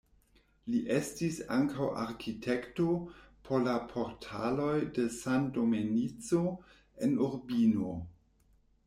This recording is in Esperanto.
Li estis ankaŭ arkitekto por la portaloj de San Domenico en Urbino.